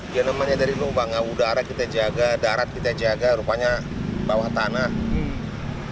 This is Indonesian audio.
dia namanya dari lubang udara kita jaga darat kita jaga rupanya bawah tanah